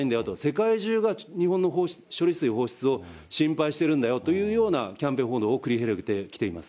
世界中が日本の処理水放出を心配しているんだよというようなキャンペーン報道を繰り広げてきています。